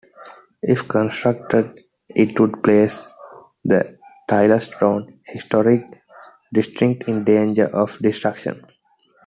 If constructed, it would place the Taylorstown Historic District in danger of destruction.